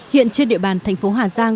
hiện trên địa bàn thành phố hà giang